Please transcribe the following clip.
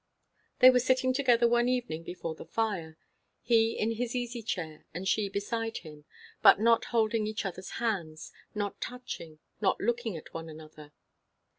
They were sitting together one evening before the fire; he in his easy chair, and she beside him; but not holding each other's hands, not touching, nor looking at one another.